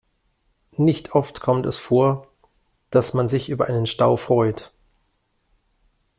Nicht oft kommt es vor, dass man sich über einen Stau freut.